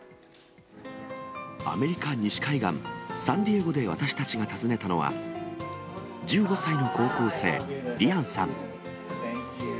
アメリカ西海岸、サンディエゴで私たちが訪ねたのは、１５歳の高校生、リアンさん。